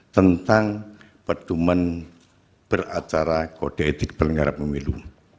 tentang peduman beracara kode etik penyelenggara pemilu